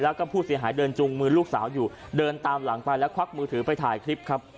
แล้วก็ผู้เสียหายเดินจุงมือลูกสาวอยู่เดินตามหลังไปแล้วควักมือถือไปถ่ายคลิปครับ